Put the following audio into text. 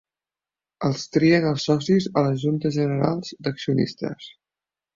Els trien els socis a les juntes generals d'accionistes.